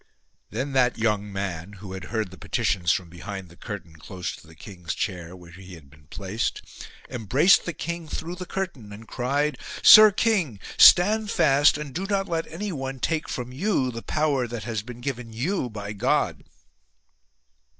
Then that young man, who had heard the petitions from behind the curtain close to the king's chair where he had been placed, embraced the king through the curtain and cried, Sir king, stand fast and do not let anyone take from you the power that has been given you by God."